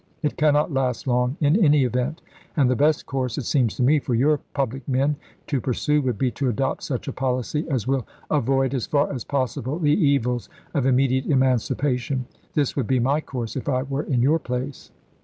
It can not last long in any event, and the best course, it seems to me, for your public men to pursue would be to adopt such a policy as will avoid, as far as possible, the evils of immediate emancipation. This would be my course, if I were in your place."